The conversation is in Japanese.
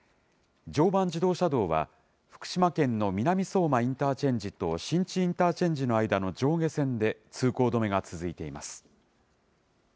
常磐自動車道は、福島県の南相馬インターチェンジと、新地インターチェンジの間の上下線で通行止めが続いています。